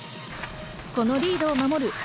このリードを守る